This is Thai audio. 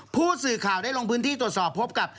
ผู้สื่อข่าวได้ลงพื้นที่ตรวจสอบพบกับ